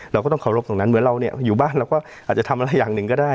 เราก็ต้องเคารพตรงนั้นเหมือนเราเนี่ยอยู่บ้านเราก็อาจจะทำอะไรอย่างหนึ่งก็ได้